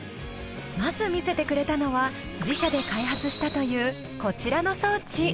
まず見せてくれたのは自社で開発したというこちらの装置。